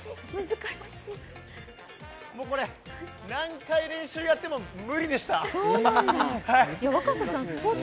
もうこれ、何回練習やっても無理でした。